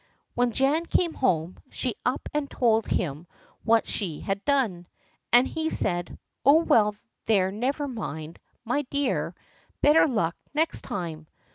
When Jan came home, she up and told him what she had done, and he said: "Oh, well, there, never mind, my dear; better luck next time."